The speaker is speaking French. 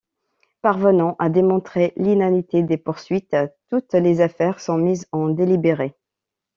Parvenant à démontrer l'inanité des poursuites, toutes les affaires sont mises en délibéré.